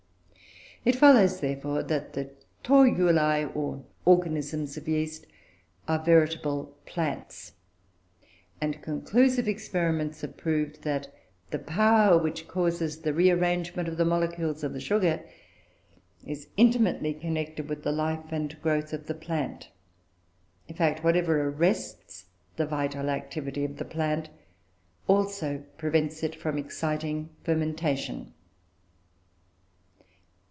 It follows, therefore, that the Toruloe, or organisms of yeast, are veritable plants; and conclusive experiments have proved that the power which causes the rearrangement of the molecules of the sugar is intimately connected with the life and growth of the plant. In fact, whatever arrests the vital activity of the plant also prevents it from exciting fermentation.